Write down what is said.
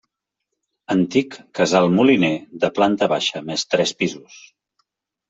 Antic casal moliner de planta baixa més tres pisos.